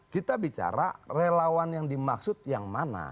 kita bicara relawan yang dimaksud yang mana